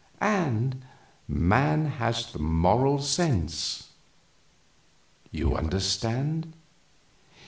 And man has the Moral Sense. You understand?